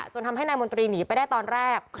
ทำให้นายมนตรีหนีไปได้ตอนแรก